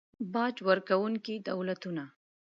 باج ورکونکي دولتونه